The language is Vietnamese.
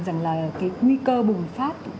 rằng là cái nguy cơ bùng phát